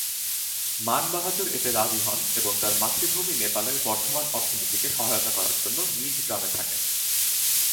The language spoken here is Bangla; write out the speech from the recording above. মান বাহাদুর এতে রাজী হন এবং তার মাতৃভূমি নেপালের বর্ধমান অর্থনীতিকে সহায়তা করার জন্য নিজ গ্রামে থাকেন।